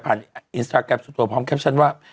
ผ่านอินสตาร์กราฟตัวพร้อมแคปชั่นว่า